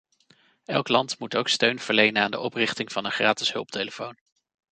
Elk land moet ook steun verlenen aan de oprichting van een gratis hulptelefoon.